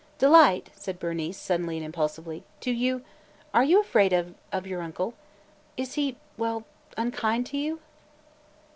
"Delight," said Bernice, suddenly and impulsively, "do you – are you so afraid of – of your uncle? Is he – well – unkind to you?"